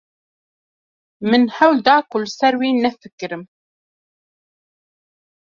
Min hewl da ku li ser wî nefikirim.